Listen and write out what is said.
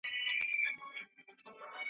چي دي لاس تش سو تنها سوې نو یوازي خوره غمونه .